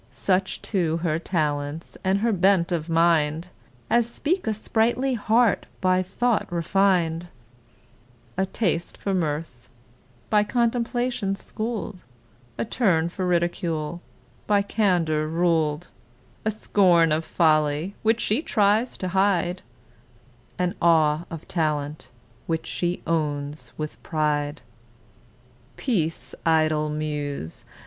Such too her talents, and her bent of mind, As speak a sprightly heart by thought refined: A taste for mirth, by contemplation school'd, A turn for ridicule, by candour ruled, A scorn of folly, which she tries to hide; An awe of talent, which she owns with pride! Peace, idle Muse!